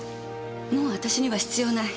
もう私には必要ない。